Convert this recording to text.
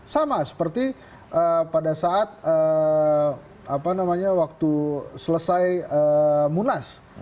sama seperti pada saat apa namanya waktu selesai munas